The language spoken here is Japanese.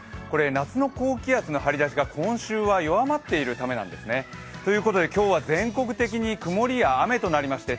夏の高気圧の張り出しが今週は弱まっているためなんですね。ということで今日は全国的に曇りや雨となりまして